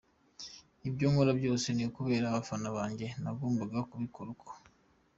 Ibyo nkora byose ni ukubera abafana banjye, nagombaga kubikora uko.